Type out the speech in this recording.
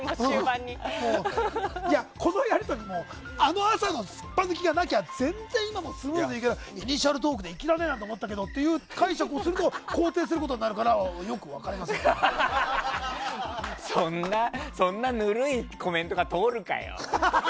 このやり取りあの朝のすっぱ抜きがなきゃ全然、今のもスムーズにいったしイニシャルトークって粋だねって解釈をすると肯定することになるからそんなぬるいコメントが通るかよ。